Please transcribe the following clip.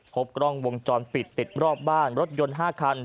พบกล้องวงจรปิดติดรอบบ้านรถยนต์๕คัน